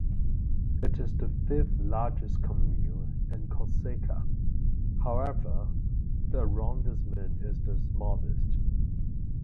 It is the fifth-largest commune in Corsica; however, the arrondissement is the smallest.